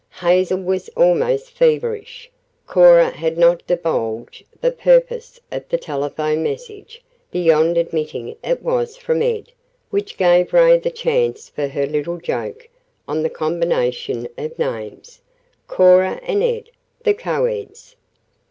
Hazel was almost feverish. Cora had not divulged the purport of the telephone message, beyond admitting it was from Ed, which gave Ray the chance for her little joke on the combination of names Cora and Ed, the "Co Eds."